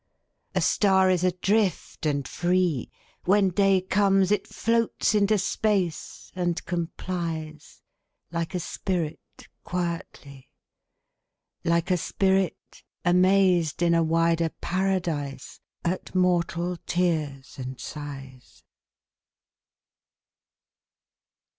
A star is adrift and free. When day comes, it floats into space and com plies ; Like a spirit quietly, Like a spirit, amazed in a wider paradise At mortal tears and sighs.